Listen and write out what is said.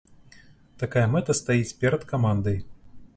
Такая мэта стаіць перад камандай.